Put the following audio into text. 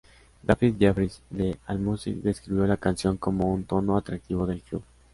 David Jeffries de Allmusic describió la canción como un tono atractivo del club.